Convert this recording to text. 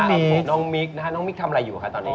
น้องมิ๊กนะฮะน้องมิ๊กทำอะไรอยู่คะตอนนี้